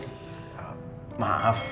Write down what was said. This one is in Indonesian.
terima kasih anies